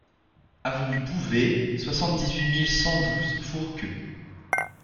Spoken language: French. Avenue Bouvet, soixante-dix-huit mille cent douze Fourqueux